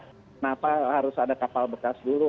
kenapa harus ada kapal bekas dulu